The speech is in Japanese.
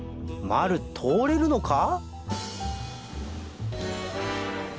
まる通れるのか？